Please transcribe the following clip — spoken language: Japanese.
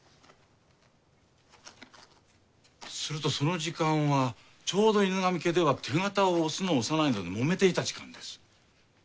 するとその時間はちょうど犬神家では手形をおすのおさないのでもめていた時間です。